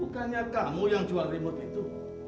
bukannya kamu yang jual remote itu